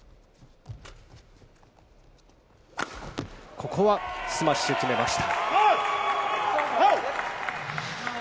ここはスマッシュを決めました。